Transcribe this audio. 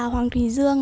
hoàng thùy dương